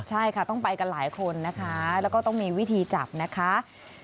ใช่ค่ะต้องไปกันหลายคนนะคะแล้วก็ต้องมีวิธีจับนะคะ